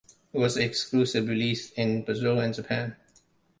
It was exclusively released in Brazil and Japan.